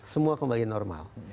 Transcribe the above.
semua kembali normal